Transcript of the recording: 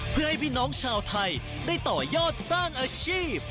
เพื่อให้พี่น้องชาวไทยได้ต่อยอดสร้างอาชีพ